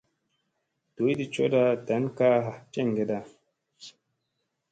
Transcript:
Doydi cooda ɗan kaa jeŋgeda.